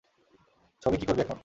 ছবি কী করবি এখন?